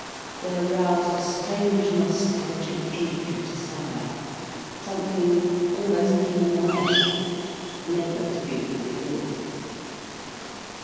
They aroused a strange, nostalgic ache of desire, something almost demoniacal, never to be fulfilled.